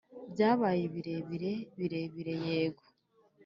byabaye birebire, birebire, yego!